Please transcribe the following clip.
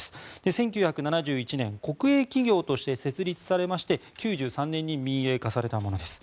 １９７１年国営企業として設立されまして９３年に民営化されたものです。